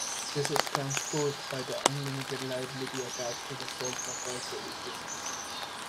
This is transposed by the unlimited liability attached to a sole proprietary business.